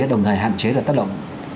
đồng thời hạn chế được tác động